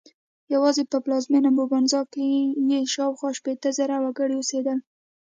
یوازې په پلازمېنه مبانزا کې یې شاوخوا شپېته زره وګړي اوسېدل.